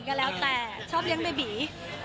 ก็แล้วแต่ชอบเลี้ยงเบบี